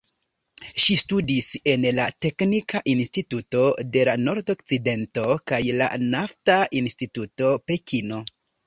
Ŝi studis en la "Teknika Instituto de la Nordokcidento" kaj la "Nafta Instituto Pekino".